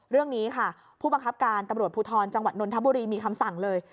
เรื่องนี้ค่ะผู้บังคับการตำรวจภูทรจังหวัดนนทบุรีมีคำสั่งเลย